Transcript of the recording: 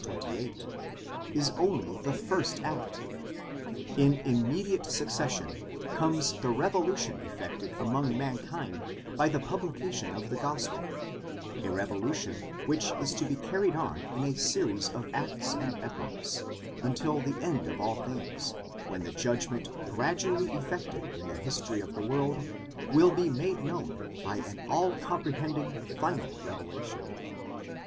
28) is only the first act; in immediate succession (εὐθέως, v. 29 ff.) comes the revolution effected among mankind by the publication of the gospel; a revolution which is to be carried on in a series of acts and epochs, until the end of all things, when the judgment gradually effected in the history of the world, will be made known by an all comprehending, final revelation.?